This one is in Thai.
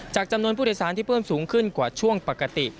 จำนวนผู้โดยสารที่เพิ่มสูงขึ้นกว่าช่วงปกติ